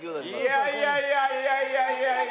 いやいやいやいやいやいや。